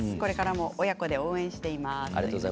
親子で応援しています。